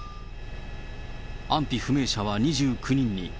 安否不明者は２９人に。